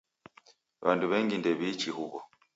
W'andu w'engi ndew'iichi huw'o.